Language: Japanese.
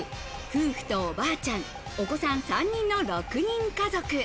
夫婦とおばあちゃん、お子さん３人の６人家族。